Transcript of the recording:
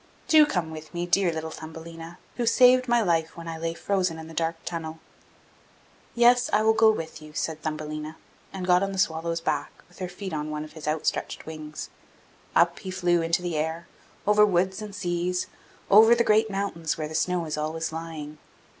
Do come with me, dear little Thumbelina, who saved my life when I lay frozen in the dark tunnel!' 'Yes, I will go with you,' said Thumbelina, and got on the swallow's back, with her feet on one of his outstretched wings. Up he flew into the air, over woods and seas, over the great mountains where the snow is always lying.